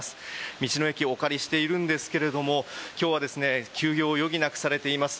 道の駅、お借りしているんですが今日は休業を余儀なくされています。